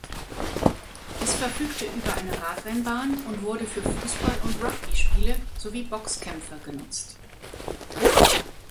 Es verfügte über eine Radrennbahn und wurde für Fußball- und Rugbyspiele sowie Boxkämpfe genutzt.